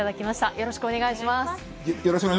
よろしくお願いします。